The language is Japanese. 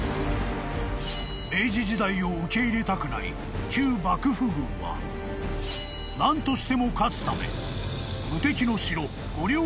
［明治時代を受け入れたくない旧幕府軍は何としても勝つため］